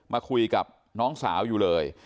มาคุยกับน้องสาวอยู่เลย